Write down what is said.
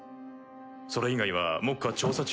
それ以外は目下調査中。